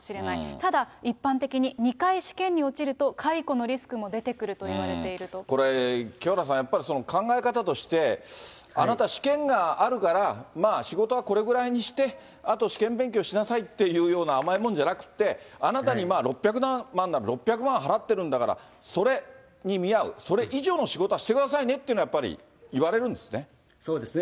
ただ、一般的に２回試験に落ちると、解雇のリスクも出てくるといこれ、清原さん、やっぱり考え方として、あなた、試験があるから、仕事はこれぐらいにして、あと試験勉強しなさいっていうような甘いもんじゃなくて、あなたに６００万なら、６００万払ってるんだから、それに見合う、それ以上の仕事はしてくださいねっていうのはやっぱり言われるんそうですね。